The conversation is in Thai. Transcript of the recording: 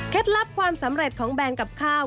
ลับความสำเร็จของแบรนด์กับข้าว